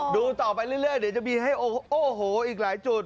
ดูต่อไปเรื่อยเดี๋ยวจะมีให้โอ้โหอีกหลายจุด